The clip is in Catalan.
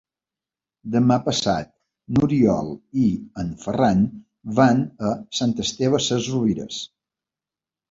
Demà passat n'Oriol i en Ferran van a Sant Esteve Sesrovires.